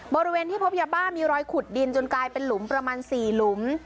บริเวณที่พบยาบ้ามีรอยขุดดินจนกลายเป็นหลุมประมาณ๔หลุม